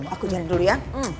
aku jalan dulu ya